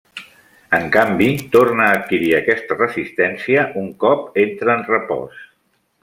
En canvi, torna a adquirir aquesta resistència un cop entra en repòs.